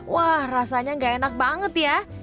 wah rasanya gak enak banget ya